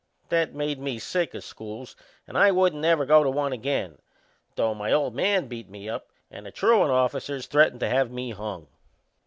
That made me sick o' schools and I wouldn't never go to one again, though my ol' man beat me up and the truant officers threatened to have me hung.